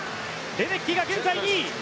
レデッキーが現在２位。